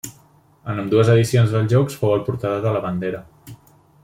En ambdues edicions dels Jocs fou el portador de la bandera.